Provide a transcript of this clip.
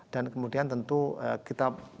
dan kemudian tentu kita